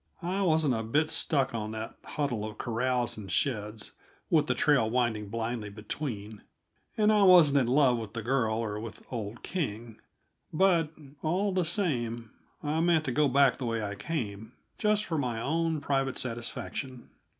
I wasn't a bit stuck on that huddle of corrals and sheds, with the trail winding blindly between, and I wasn't in love with the girl or with old King; but, all the same, I meant to go back the way I came, just for my own private satisfaction.